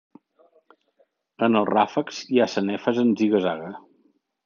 En els ràfecs hi ha sanefes en ziga-zaga.